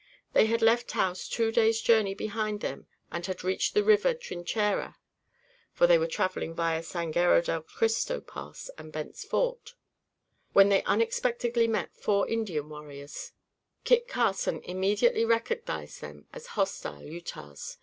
They had left Taos two days' journey behind them and had reached the River Trinchera (for they were traveling via the Sangero de Christo Pass and Bent's Fort) when they unexpectedly met four Indian warriors. Eat Carson immediately recognized them as hostile Utahs.